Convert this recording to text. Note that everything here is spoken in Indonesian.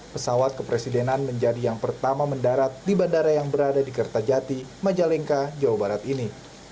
pesawat kepresidenan menjadi yang pertama mendarat di bandara yang berada di kertajati majalengka jawa barat ini